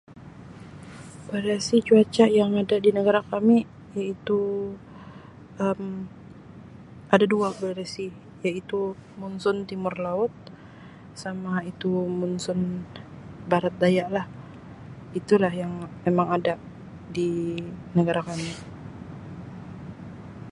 Variasi cuaca yang ada di negara kami iaitu Um ada dua variasi iaitu monson timur laut sama itu monson barat daya lah itu lah yang memang ada di negara kami.